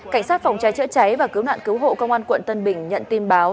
cảnh sát phòng cháy chữa cháy và cứu nạn cứu hộ công an quận tân bình nhận tin báo